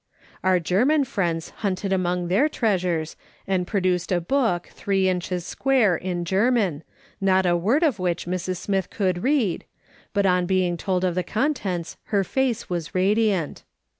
Our German friends liunted among their treasures and produced a book, three inches square, in German, not a word of which Mrs. Smith could read, but on being told of the contents her face was radiant.